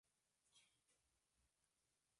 Refracción ocular.